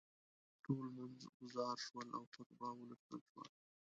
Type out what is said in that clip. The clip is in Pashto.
ټول لمونځ ګزار شول او خطبه ولوستل شوه.